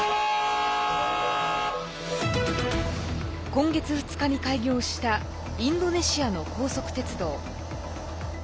今月２日に開業したインドネシアの高速鉄道。